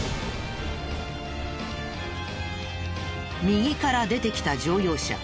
右から出てきた乗用車。